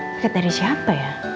paket dari siapa ya